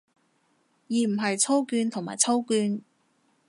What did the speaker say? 而唔係操卷同埋操卷